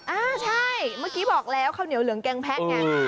อ่าใช่เมื่อกี้บอกแล้วข้าวเหนียวเหลืองแกงแพะไง